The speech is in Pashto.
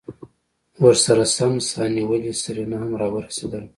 ورسرہ سم سا نيولې سېرېنا هم راورسېدله.